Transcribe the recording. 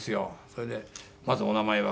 それで「まずお名前は？」